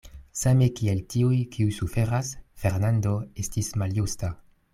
Same kiel tiuj, kiuj suferas, Fernando estis maljusta.